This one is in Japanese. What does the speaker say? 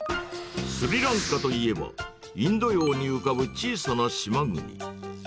スリランカといえば、インド洋に浮かぶ小さな島国。